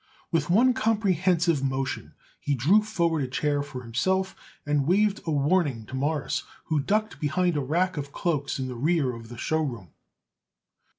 With one comprehensive motion he drew forward a chair for himself and waved a warning to Morris, who ducked behind a rack of cloaks in the rear of the show room.